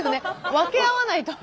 分け合わないと。